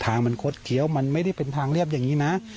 ทางมันคดเคี้ยวมันไม่ได้เป็นทางเรียบอย่างนี้นะ